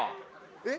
えっ？